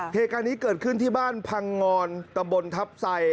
เทกานี้เกิดขึ้นที่บ้านพังงอนตะบนทัพไสย